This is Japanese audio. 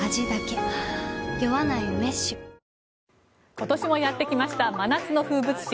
今年もやってきました真夏の風物詩